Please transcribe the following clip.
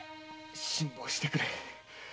辛抱してくれ。